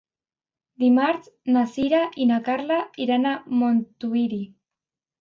Dimarts na Sira i na Carla iran a Montuïri.